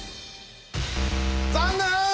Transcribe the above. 残念！